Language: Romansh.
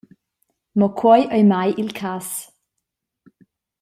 Mo quei ei mai il cass.